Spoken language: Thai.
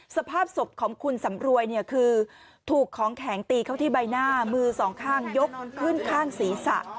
สภาพศพของคุณสำรวยเนี่ยคือถูกของแข็งตีเข้าที่ใบหน้ามือสองข้างยกขึ้นข้างศีรษะ